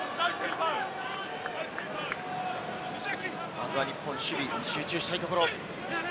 まずは日本、守備、集中したいところ。